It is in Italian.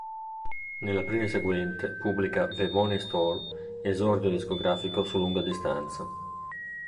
Nell'aprile seguente pubblica "The Money Store", esordio discografico su lunga distanza.